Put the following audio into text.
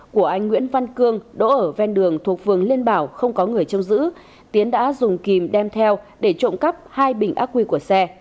của anh nguyễn văn cương đỗ ở ven đường thuộc phường liên bảo không có người chông giữ tiến đã dùng kìm đem theo để trộm cắp hai bình ác quy của xe